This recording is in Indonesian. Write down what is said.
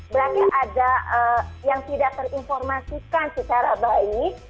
berarti ada yang tidak terinformasikan secara baik